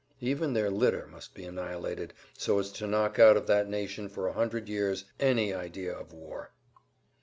Even their litter must be annihilated so as to knock out of that nation for a hundred years any idea of war."